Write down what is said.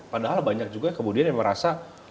padahal banyak juga kemudian yang merasa